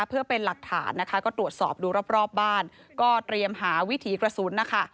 เพื่อเป็นหลักฐานนะคะก็ตรวจสอบดูรอบบ้านก็เตรียมหาวิถีกระสุนนะคะ